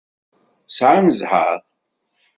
Sɛan ẓẓher.